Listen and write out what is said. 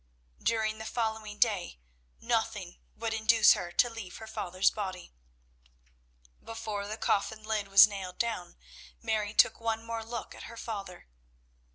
During the following day nothing would induce her to leave her father's body. Before the coffin lid was nailed down, Mary took one more look at her father.